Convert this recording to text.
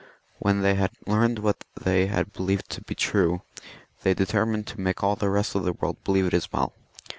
When they had learned what they believed to be true, they determined to make all the rest of the world believe it as well.